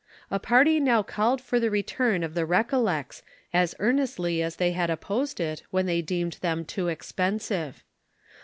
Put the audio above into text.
A party now called for the return of the Recollects as earnestly as they had opposed it when they deemed them too expensive.